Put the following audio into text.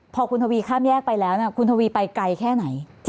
พอคุณทวีข้ามแยกไปแล้วคุณทวีไปไกลแค่ไหน